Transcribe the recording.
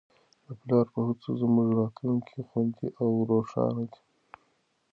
د پلار په هڅو زموږ راتلونکی خوندي او روښانه دی.